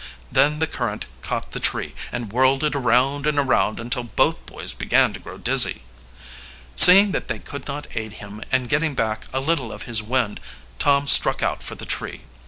Then the current caught the tree and whirled it around and around until both boys began to grow dizzy. Seeing they could not aid him, and getting back a little of his wind, Tom struck out for the tree.